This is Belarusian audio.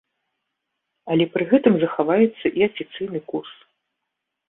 Але пры гэтым захаваецца і афіцыйны курс.